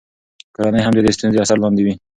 کورنۍ هم د دې ستونزو اثر لاندې وي.